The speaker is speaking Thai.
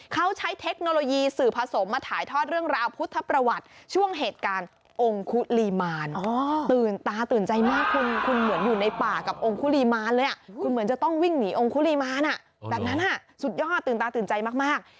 กับองค์ฮุรีมานเลยคือเหมือนจะต้องวิ่งหนีองค์ฮุรีมานแบบนั้นสุดยอดตื่นตาตื่นใจมาก